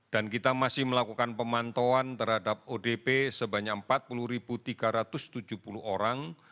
dan kita masih melakukan pemantauan terhadap odp sebanyak empat puluh tiga ratus tujuh puluh orang